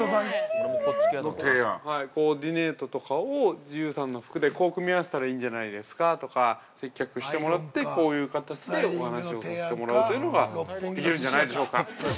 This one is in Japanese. コーディネートとかをＧＵさんの服でこう組み合わせたらいいんじゃないですかとか接客してもらってこういう形でお話をさせてもらうというのができるんじゃないでしょうか。